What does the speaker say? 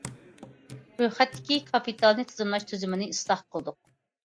رويخەتتىكى كاپىتالنى تىزىملاش تۈزۈمىنى ئىسلاھ قىلدۇق.